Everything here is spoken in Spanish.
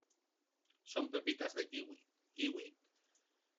son pepitas de kiwi. ¿ kiwi?